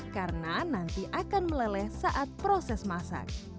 karena nanti akan meleleh saat proses masak